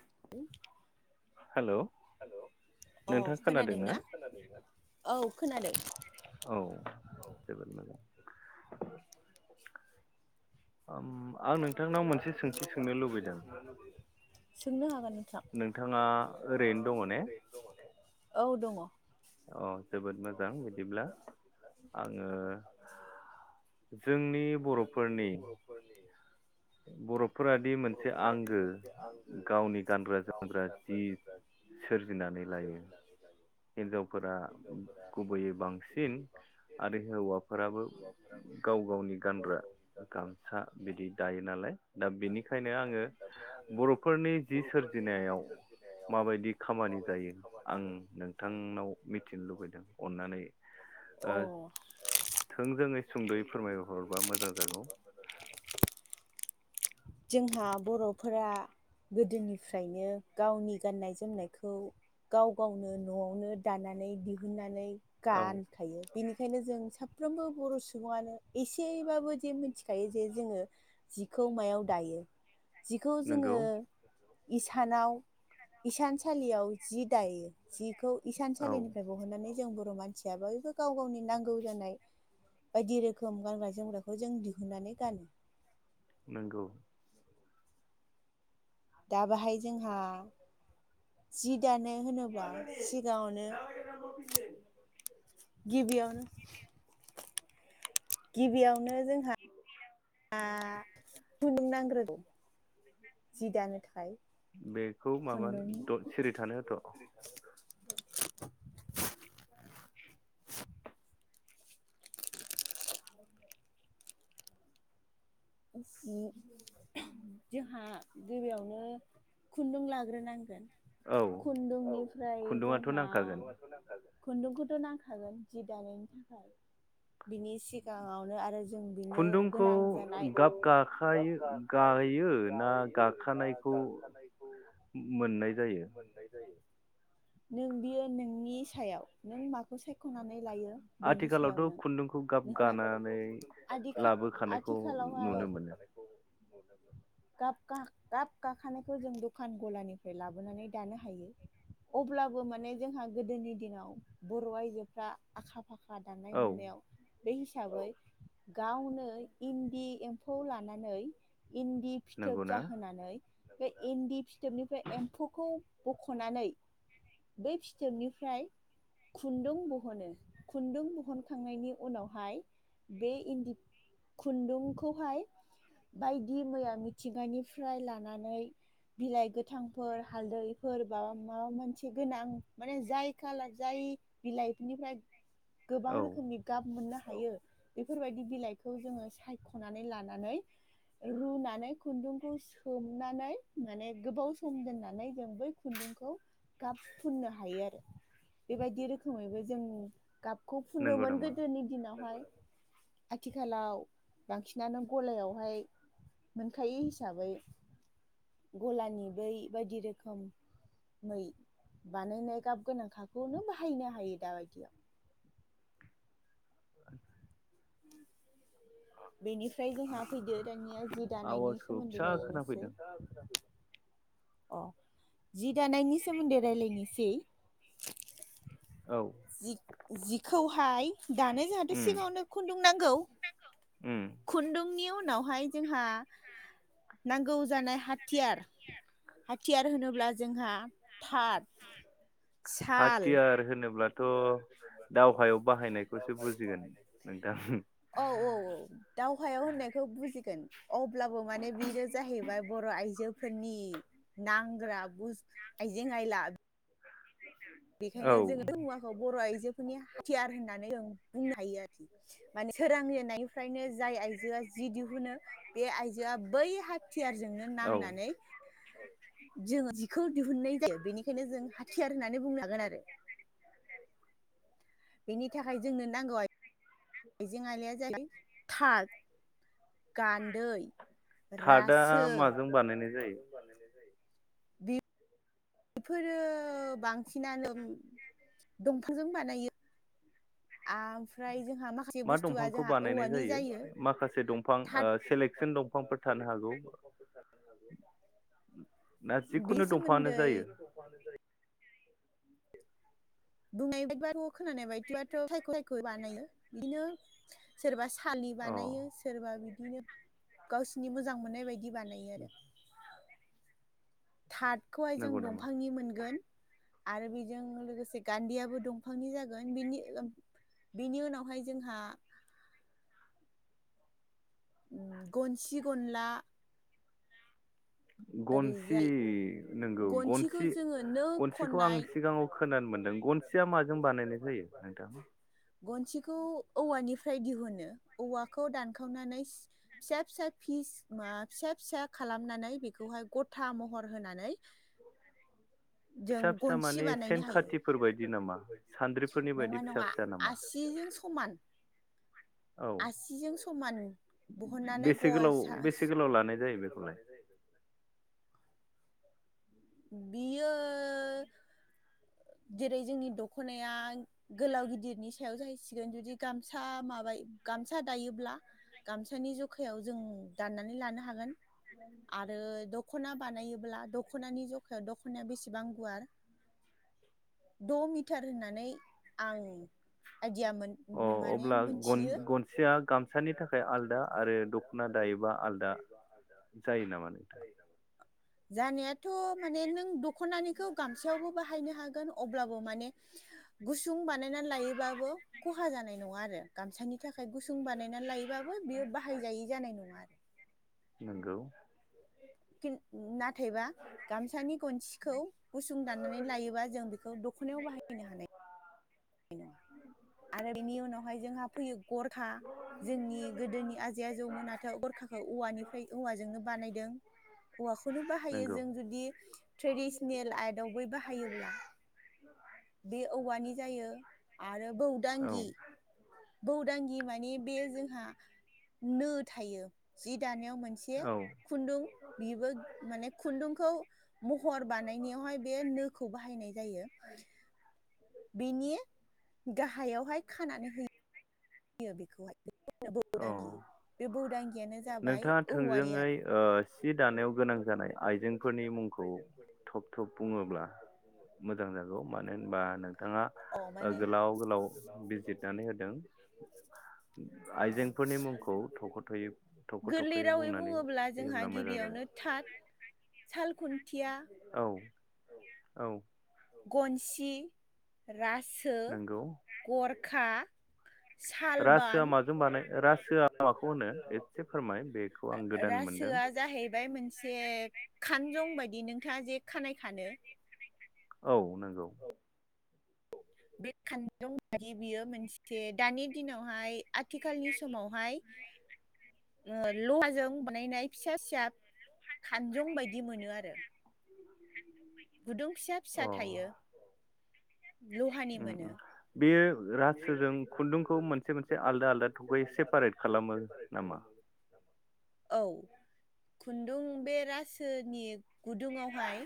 [inaudible] Hello अ खोनादोंना औ खोनादों औ जोबोद मोजां। आं नोंथांनाव मोनसे सोंथि सोंनो लुबैदों थां नोंथाङा ओरैनो दङ ने औ दङ। औ जोबोद मोजां बिदिब्ला आङो जोंनि बर'फोरनि बर'फोरादि मोनसे आंगो गावनि गानग्रा जोमग्रा जि सोरजिनानै लायो। हिनजावफोरा गुबैयै बांसिन आरो हौवाफोराबो गाव गावनि गानग्रा गामसा बिदि दायो नालाय। दा बेनिखायनो आङो बर'फोरनि जि सोरजिनायाव माबायदि खामानि जायो आं नों थांनाव मिथिनो लुबैदों अननानै अ थोंजोङै सुंद'यैब्लाबो फोरमाय हरब्ला मोजां जागौ [unintelligible] [unintelligible] औ साफ्रोमबो बर' सुबुङानो एसेबाबो जे मिथिखायो जे जोङो खौ मायाव दायो जिखौ नंगौ जोङो इसानाव इसानसालियाव जि दायो जि खौ औ इसानसालिनिफ्राय बहननानै जों बर' मानसियाबो बयबो गाव गावनि नांगौ जानाय बायदि रोखोम गानग्रा जोमग्राखौ जों दिहुननानै गानो। नोंगौ दा बेहाय जोंहा जि दानो होनोब्ला सिगाङावनो गिबियावनो गिबियावनो जोंहा आ जि दानो थाखाय बेखौ माबा खुन्दुं द सिरि थानो होथ'। [inaudible] उम [unintelligible] आंहा गिबियावनो खुन्दुं लाग्रोनांगोन। औ खुन्दुंनिफ्राय खुन्दुङाथ' जोंहा नांखागोन खुन्दुंखौथ' नांखागोन जि दानायनि थाखाय बिनि सिगाङावनो आरो जों बिनो खुन्दुंखौ गोनां जानाय गाब गाखायो गायो ना गाखानायखौ मोननाय जायो नों बियो नोंनि सायाव नों मा खौ सायख'नानै लायो बेनि सायाव आथिखालावथ' नों खुन्दुंखौ गाब गानानै लाबोखानायखौ आथिखालाव नुनो मोनो गाब गा गाब गाखानायखौ जों दखान गलानिफ्राय लाबोनानै दानो हायो अब्लाबो माने जोंहा गोदोनि दिनाव बर' आयजोफ्रा आखा फाखा खा दानाय औ लुनायाव बे हिसाबै गावनो इन्दि एम्फौ लानानै इन्दि फिथोब नंगौना जाहोनानै बे इन्दि फिथोबनिफ्राय एम्फौखौ बख'नानै बै फिथोबनिफ्राय खुन्दुं बहनो खुन्दुं बहन खांनायनि उनावहाय बे इन्दि खुन्दुंखौ खौहाय बायदि मैया मिथिंगानिफ्राय लानानै बिलाइ गोथांफोर हालदैफोर बाबा माबा मोनसे गोनां माने जाय खालार जाय बिलाइफोरनिफ्राय गोबां औ रोखोमनि गाब मोननो हा हायो बेफोरबायदि बिलाइखौ जोङो ख'नानै लानानै रुनानै खुन्दुंखौ सोमनानै माने गोबाव सम दोननानै जों बै खुन्दुंखौ गाब फुननो हायो आरो बेबायदि रोखोमैबो जों गाबखौ नंगौ फुनोमोन नामा गोदोनि दिनावहाय। आथि खालाव बांसिनानो गलायावहाय मोनखायो हिसाबै गलानि बै बायदि रोखोम मै बानायनाय गाब गोनांखाखौनो बाहायनो हायो दा बायदियाव [unintelligible] बेनिफ्राय जोंहा फैदो दानिया जि दानायनि आवाजखौ सोमोन्दै फिसा दालायनोसै खोनाफैदों अ जि दानायनि सोमोन्दै रायलायनोसै औ जिखौहाय दानो जोंहाथ' उम सिगाङावनो खुन्दुं नांगौ उम खुन्दुंनि उनावहाय जोंहा नांगौ जानाय हाथियार हाथियार होनोब्ला जोंहा थार्ड साल हाथियार होनोब्लाथ' दावहायाव बाहायनायखौसो बुजिगोन नोंथां औ औ औ दावहायाव होननायखौ बुजिगोन अब्लाबो माने बिनो जाहैबाय बर' आइजोफोरनि नांग्रा बुस आइजें आयला बेखायनो औ जोङो [inaudible] दाखौ बर' आइजो फोरनि हाथियार होननानै जों बुंनो हायो आरोखि माने सोरां जेननायनिफ्रायनो जाय आइजोआ जि दिहुनो बे आइजोआ बै थियारजोंनो औ नांनानै जोंङ जिखौ दिहुननाय जायो बेनिखायनो जों हाथियार होननानै बुंन [unintelligible] बेनि थाखाय जोंनो नांगौ आइजें आइलाया जायो थाद गान्दै थार्दआ रासो माजों बानायनाय जायो बे बेफोरो बांसिनानो दंफांजों बानायो आमफ्राय मा दंफांखौ बानायनाय जायो माखासे दंफां थाद ओ सेलेकसन दंफांफोर थानो हागौ ना बेनि जिखुनु दंफाङानो जायो सोमोन्दै बुंनाय बायदिब' खोनानाय बायदिबथ' सायख' [inaudible] सायख' [inaudible] बानायो बिदिनो सोरबा थालि अ बानायो सोरबा बिदि बिदिनो गावसिरनि मोजां मोननाय बायदि बिदि बानायो आरो थारदखौहाय जों नंगौ नामा दंफांनि मोनगोन आरो बेजों लोगोसे गान्दियाबो दंफांनि जागोन बिनि बिनि उनावहाय जोंहा ओ गनसि गनला गनसि ओरैजाय नंगौ गनसिखौ गनसि जोङो नो गनसिखौ खननाय आं सिगाङाव खोनानो मोनदों गनसिया माजों बानायनाय जायो नोंथां गनसिखौ औवानिफ्राय दिहुनो औवाखौ दानखावनानै फिसा फिसा फिस मा फिसा फिसा खालामनानै बेखौहाय गथा महर होनानै जों फिसा फिसा गनसि माने बानायनो सेन हायो खाथिफोर बायदि नामा सान्द्रिफोरनि बायदि नङा फिसा नङा फिसा नामा आसिजों समान औ आसिजों समान दहननानै बेसे गल गोलाव सा बेसे गोलाव लानाय जायो बेखौलाय? बियो जेरै जोंनि दख'नाया गोलाव गिदिरनि सायाव जाहैसिगोन जुदि गामसा माबायो गामसा दायोब्ला गामसानि जखायाव जों दाननानै लानो हागोन आरो दख दख'ना बानायोब्ला दख'नानि जखायाव दख'नाया बेसेबां गुवार द' मिटार होननानै आं आइदिया अ मोनो माने अब्ला गन मोनथियो गनसेया गामसानि थाखाय आलदा आरो दख'ना दायोबा आलदा जायो नामा नोंथां? जानायाथ' माने नों दख'नानिखौ गामसयावबो बाहाय बाहायनाय हागोन अब्लाबो माने गुसुं बानायना लायोब्लाबो खहा जानाय नङा आरो गामसानि थाखाय गुसुं बानायना लायोब्लाबो बेयो बाहायजायि जानाय नङा आरो नोंगौ [unintelligible] नाथायबा गामसानि गनसिखौ गुसुं दाननानै लायोबा जों बेखौ दख'नायाव बाहायनो हानाय आरो बिनि उनावहाय जोंहा फैयो गरखा जोंनि गोदोनि आजै आजौमोनाथ' गरखाखौ औवानिफ्राय औवाजोंनो बानायदों औवाखौनो बाहायो नंगौ जों जुदि ट्रेडिसनेल आर्टआव बै बाहायोब्ला बे औवानि जायो आरो औ बौदांगि बौदांगि माने ने बे जोंहा नो थायो जि दानो मोनसे औ खुन्दुं बेबो माने खुन्दुंखौ महर बानायनायावहाय बे नोखौ बाहायनाय जायो बिनि गाहायावहाय खानानै होयो होयो बेखौहाय औ बे बौदांगियानो जाबाय नोंथाङा औवानि थोंजोङै आरो ओ सि दानायाव गोनां जानाय आइजेंफोरनि मुंखौ थब थब बुङोब्ला मोजां जागौ मानो होनबा नोंथाङा अ माने गोलाव गोलाव बिजिरनानै होदों आइजेंफोरनि मुंखौ थख'थ'यै थख' गोरलै थख'यै रावै बुंनानै बुङोब्ला जोंहा होयोब्ला मोजां जागोन गिबियावनो थाद सालखुन थिया औ औ गनसि रासो नंगौ गरखा सालबान, रासोआ माजों बानाय रासोआ माखौ होनो एसे फोरमाय बेखौ आं गोदान मोनदों रासोआ जाहैबाय मोनसे खानजं बायदि दि नोंथाङा जे खानाय खानो औ नंगौ बे खान्जं बायदि बियो मोनसे दानि दिनावहाय आथिखालनि समावहाय लहाजों बानायनाय फिसा फिसा खानजं बायदि मोनो आरो गुदुं फिसा फिसा अ थायो लहानि मोनो बेयो राजासोजों खुन्दुंखौ मोनसे मोनसे आलदा आलदा थखयै सेपारेट खालामो नामा औ खुन्दुं बे रासोनि गुदुङावहाय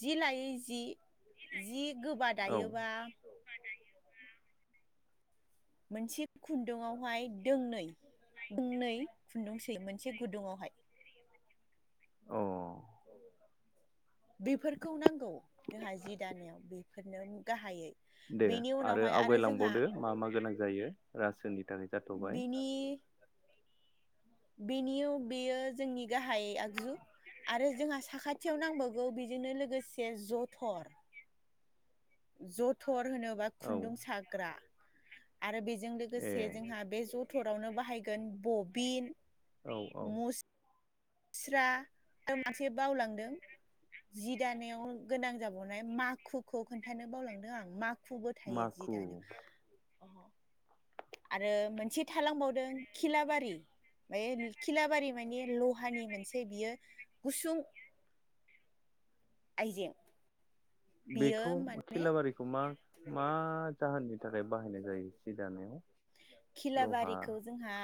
जि लायै जि जि गोबा औ दायोबा मोनसे खुन्दुंआवहाय दोंनै दोंनै खुन्दुं सोयो मोनसे गुदुङावहाय अ बेफोरखौ नांगौ जोंहा जि दानायाव बेफोरनो गाहायै दे बेनि आरो उनावहाय जोंहा आवगायलांबावदो मा मा गोनां जायो रासोनि थाखाय जाथ'बाय बेनियिव बेयो जोंनि गाहाय आगजु आरो जोंहा साखाथियाव नांबावगौ बेजोंनो लोगोसे जथर जथर होनोबा औ खुन्दुं साग्रा आरो बेजों लोगोसे ए जोंहा बे ज टरावनो बाहायगोन बबिन औ औ मस मुस्रा आरो मोनसे बावलांदों जि दानायाव गोनां जाबावनाय माखुखौ खोन्थानो बावलांदों आं माखु खुबो थायो जि माखु दानोबा [inaudible] आरो मोनसे थालांबावदों खिलाबारि बे खिलाबारि माने लहानि मोनसे बियो गुसुं आइजें बियो बेखौ माने खेलाबारिखौ मा मा जाहोननि थाखाय बाहायनाय जायो सि दानायाव? लहा खिलाबारिखौ जोंहा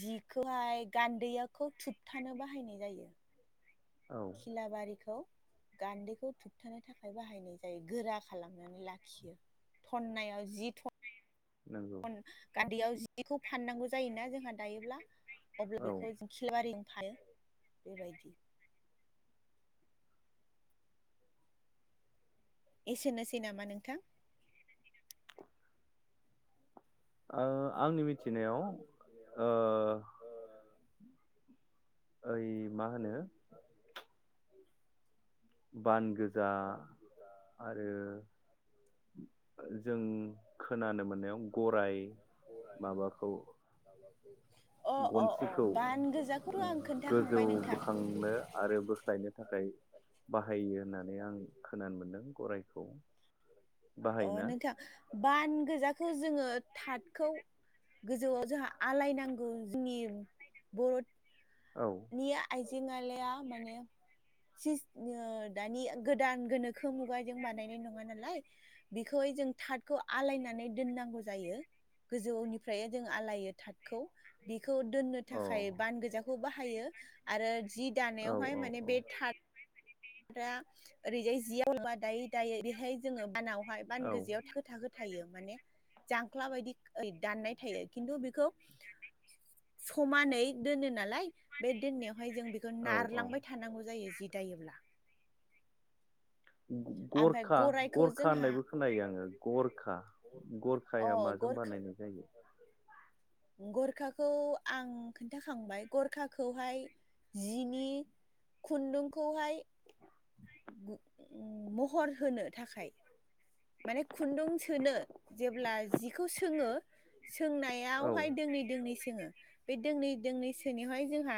जिखौहाय गान्दैयाखौ थुबथानो बाहायनाय जायो औ खिलाबारिखौ गान्दैखौ थुबथानो थाखाय बाहायनाय जायो गोरा खालामनानै लाखियो थन्नायाव जि थन्ना नंगौ थन गान्दैयाव जिखौ फाननांगौ जायोना जोंहा दायोब्ला अब्ला [unintelligible] औ ओ बेखौ जों खिलबारि थायो बेबायदि एसेनोसै नामा नोंथां ओ आंनि मिथिनायाव ओ ओइ मा होनो बान गोज जा आरो जों खोनानो मोननायाव गराय माबाखौ अ अ अ गनसिखौ बान गोजाखौथ' आं गोजौ खोन्थाखांबाय नोंथां बोखांनो आरो बोख्लायनो थाखाय बाहायो होननानै आं खोनानो मोनदों गराइखौ अ नोंथां बान गोजा खौ जोङो थादखौ गोजौआव जोंहा आलायनांगौ जोंनि बर' औ नि आय आयजें आयलाया माने दानि गोदान गोनोखो मुगाजों बानायनाय नङा नालाय बेखौहाय जों थाथखौ आलायनानै दोननांगौ जायो गोजौनिफ्राय जों आलइायो थाथ खौ‌ बेखौ दोननो अ थाखाय बान गोजाखौ हायो आरो जि औ दानायावहाय माने बे थाथ आरो ओरैजाय जिया दायै दायै बेहाय जोङो बानाव औ बान गोजायाव थाखो थाखो थायो माने जांख्ला बायदि दाननाय थायो खिन्थु बेखौ समानै दोनो नालाय बे दोननायावहाय जों बेखौ औ औ नारलांबाय थानांगौ जायो जि दायोब्ला ओमफ्राय गरखा गरायखौ गरखा जोंहा होननायबो खोनायो आङो गरखा अ गरखाया माजों गरखा बानायनाय जायो गरखाखौ आं खोन्थाखांबाय गरखाखौहाय जिनि खुन्दुंखौहाय [unintelligible] महर होनो थाखाय माने खुन्दुं सोनो जेब्ला जिखौ सोङो औ सोंनायावहाय दोंनै दोंनै सोङो बे दोंनै दोंनै सोनाआवहाय जोंहा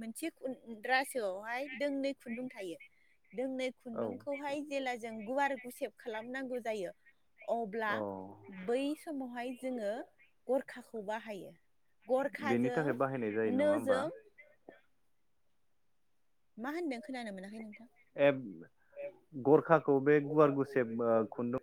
मोनसे रासोआवहाय दोंनै खुन्दुं थायो दोंनै औ खुन्दुंखौहाय जेला जों गुवार गुसेब खालामनांगौ जायो अब्ला अ बै समावहाय जोङो गरखाखौ खौ बाहायो बेनि थाखाय बाहायनाय जायो गरखाजों नङा होमबा नोजों मा होनदों खोनानो मोनाखै नोंथां ए गरखाखौ बे गुवार गुसेब ओ खुन्दुं